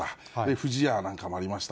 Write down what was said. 不二家なんかもありました。